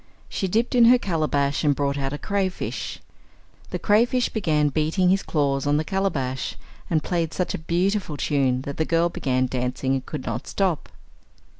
She dipped in her calabash, and brought out a cray fish. The cray fish began beating his claws on the calabash, and played such a beautiful tune, that the girl began dancing, and could not stop.